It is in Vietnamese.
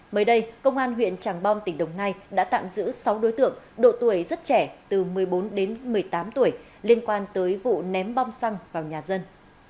mới đây công an huyện tràng bom tỉnh đồng nai đã tạm giữ sáu đối tượng độ tuổi rất trẻ từ một mươi bốn đến một mươi tám tuổi liên quan tới vụ ném bom xăng vào nhà dân